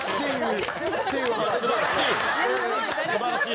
素晴らしい！